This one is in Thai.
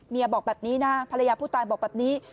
บอกแบบนี้นะภรรยาผู้ตายบอกแบบนี้